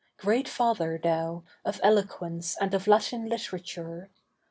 Great father, thou, of eloquence and of Latin literature!